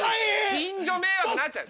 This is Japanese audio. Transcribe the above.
近所迷惑になっちゃう。